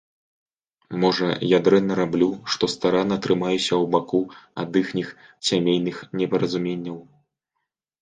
Можа, я дрэнна раблю, што старанна трымаюся ў баку ад іхніх сямейных непаразуменняў?